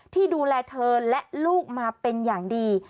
ที่ดูแลเธอและลูกมาเป็นอย่างดี